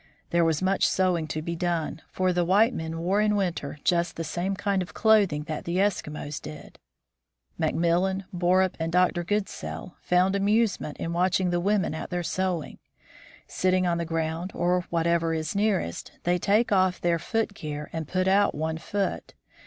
There was much sewing to be done, for the white men wore in winter just the same kind of clothing that the Eskimos did. McMillan, Borup, and Dr. Goodsell found amusement in watching the women at their sewing. Sitting on the ground or whatever is nearest, they take off their footgear and put out one foot.